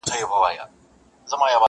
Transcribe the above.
o په يوه ماهي ټوله تالاو مردارېږي!